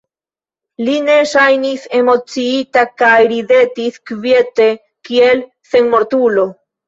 Li ne ŝajnis emociita, kaj ridetis kviete, kiel senmortulo.